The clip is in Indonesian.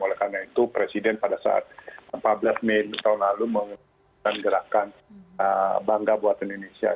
oleh karena itu presiden pada saat empat belas mei tahun lalu menggunakan gerakan bangga buat indonesia